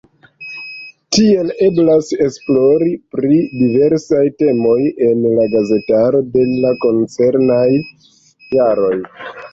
Tiel eblas esplori pri diversaj temoj en la gazetaro de la koncernaj jaroj.